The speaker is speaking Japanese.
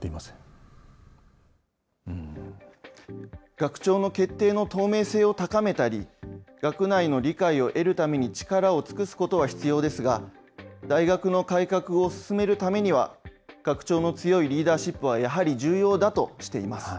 学長の決定の透明性を高めたり、学内の理解を得るために力を尽くすことは必要ですが、大学の改革を進めるためには、学長の強いリーダーシップはやはり重要だとしています。